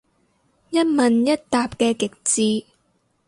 一問一答嘅極致